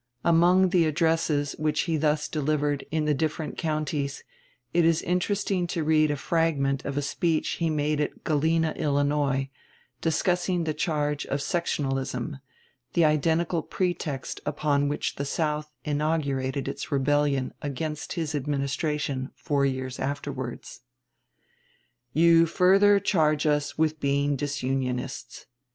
Among the addresses which he thus delivered in the different counties, it is interesting to read a fragment of a speech he made at Galena, Illinois, discussing the charge of "sectionalism," the identical pretext upon which the South inaugurated its rebellion against his Administration four years afterwards: You further charge us with being disunionists.